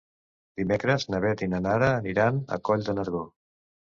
Dimecres na Beth i na Nara aniran a Coll de Nargó.